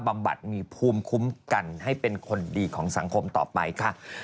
บำบัดมีภูมิคุ้มกันให้เป็นคนดีของสังคมต่อไปค่ะ